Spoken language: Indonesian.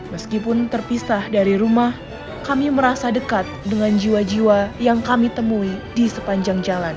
meskipun terpisah dari rumah kami merasa dekat dengan jiwa jiwa yang kami temui di sepanjang jalan